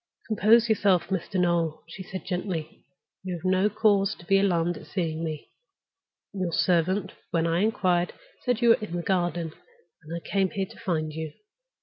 "Compose yourself, Mr. Noel," she said, gently. "You have no cause to be alarmed at seeing me. Your servant, when I inquired, said you were in the garden, and I came here to find you.